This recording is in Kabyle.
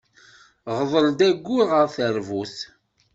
Ɣḍel-d agur ɣer terbut.